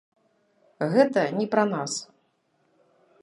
Гэта не пра нас.